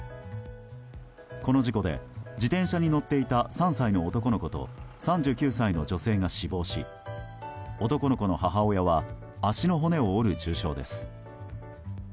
この事故で、自転車に乗っていた３歳の男の子と３９歳の女性が死亡し男の子の母親は足の骨を折る重傷です。